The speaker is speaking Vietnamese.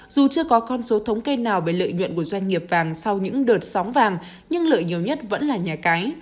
dù chưa có con số thống kê nào về lợi nhuận của doanh nghiệp vàng sau những đợt sóng vàng nhưng lợi nhiều nhất vẫn là nhà cái